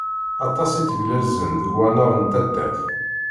Aṭas i teglalzem deg wannar n taddart.